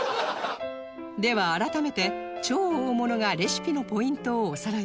では改めて超大物がレシピのポイントをおさらいです